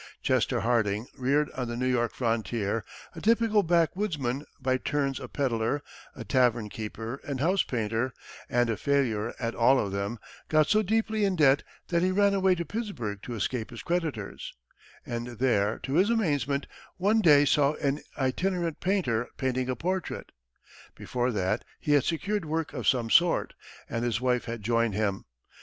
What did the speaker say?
Chester Harding, reared on the New York frontier, a typical back woodsman, by turns a peddler, a tavern keeper, and house painter, and a failure at all of them, got so deeply in debt that he ran away to Pittsburgh to escape his creditors, and there, to his amazement, one day saw an itinerant painter painting a portrait. Before that, he had secured work of some sort, and his wife had joined him.